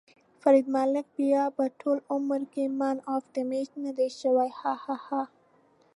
فرید ملک بیا به ټول عمر کې مېن اف ده مېچ ندی شوی.ههه